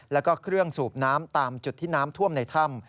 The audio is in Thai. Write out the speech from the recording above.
แล้วก็เครื่องสูบน้ำตามจุดที่น้ำท่วมในถ้ำ